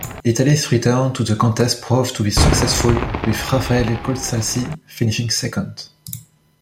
Italy's return to the contest proved to be successful, with Raphael Gualazzi finishing second.